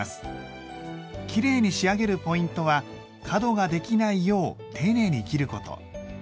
きれいに仕上げるポイントは角ができないよう丁寧に切ること。